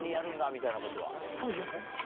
みたいなことは。